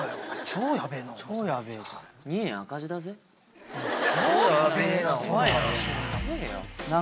超やべえな。